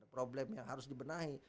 problem yang harus dibenahi